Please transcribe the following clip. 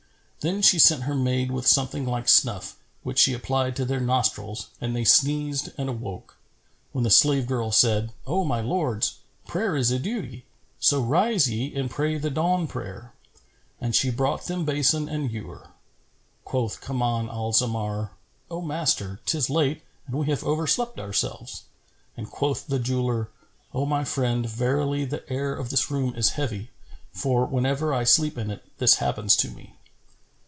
Then she sent her maid with something like snuff, which she applied to their nostrils and they sneezed and awoke, when the slave girl said, "O my lords, prayer is a duty; so rise ye and pray the dawn prayer." And she brought them basin and ewer.[FN#412] Quoth Kaman al Zamar "O master, 'tis late and we have overslept ourselves;" and quoth the jeweller, "O my friend verily the air of this room is heavy; for, whenever I sleep in it, this happens to me."